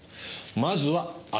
まずは足。